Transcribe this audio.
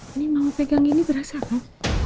ini mau pegang ini berasa apa